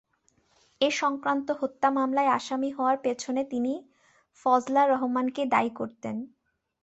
এ-সংক্রান্ত হত্যা মামলায় আসামি হওয়ার পেছনে তিনি ফজলার রহমানকেই দায়ী করতেন।